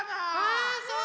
あそう。